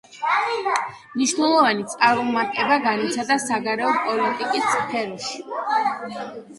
მნიშვნელოვანი წარუმატებლობა განიცადა საგარეო პოლიტიკის სფეროშიც.